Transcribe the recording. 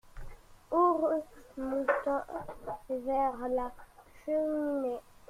Haut, remontant vers la cheminée.